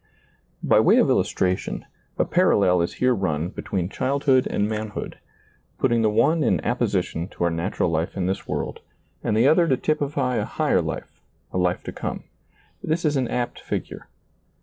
By way of illustration, a parallel is here run between childhood and manhood, putting the one in apposition to our natural life in this world and the other to typify a higher life, a life to come. This is an apt figure.